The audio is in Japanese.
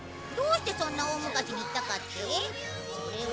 どうしてそんな大昔に行ったかって？